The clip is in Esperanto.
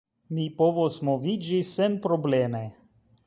Mi povos moviĝi senprobleme.